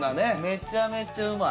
めちゃめちゃうまい！